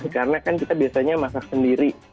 karena kan kita biasanya masak sendiri